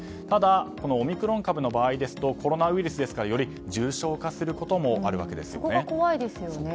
ただオミクロン株の場合ですとコロナウイルスですからより重症化することもあるわけですよね。